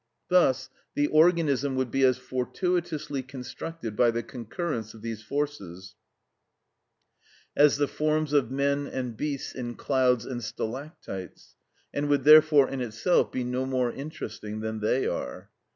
Thus the organism would be as fortuitously constructed by the concurrence of these forces as the forms of men and beasts in clouds and stalactites, and would therefore in itself be no more interesting than they are.